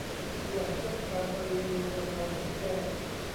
ตัวอย่างเช่น การรีวิวโรงแรมที่แย่